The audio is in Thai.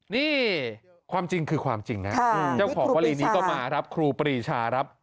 นี่ความจริงคือความจริงครูปรีชาครับ